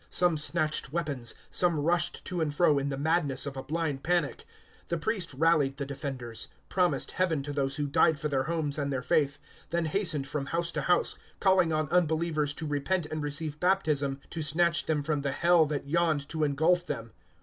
Some snatched weapons; some rushed to and fro in the madness of a blind panic. The priest rallied the defenders; promised Heaven to those who died for their homes and their faith; then hastened from house to house, calling on unbelievers to repent and receive baptism, to snatch them from the Hell that yawned to ingulf them.